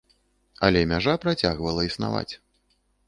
Але мяжа працягвала існаваць.